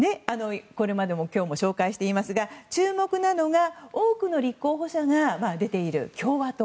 今日も紹介していますが注目なのが多くの立候補者が出ている共和党。